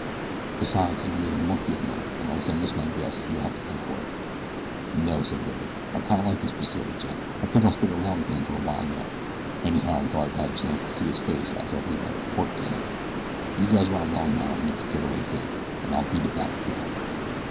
Besides you've made a monkey of him and unless I miss my guess you'll have to pay for it." "No," said Billy, "I kind o' like this Pesita gent. I think I'll stick around with him for a while yet. Anyhow until I've had a chance to see his face after I've made my report to him. You guys run along now and make your get away good, an' I'll beat it back to camp."